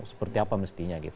seperti apa mestinya gitu